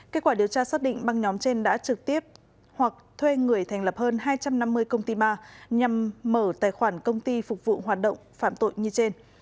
kết quả điều tra xác định băng nhóm trên đã trực tiếp hoặc thuê người thành lập hơn hai trăm năm mươi công ty ma nhằm mở tài khoản công ty phục vụ hoạt động phạm tội như trên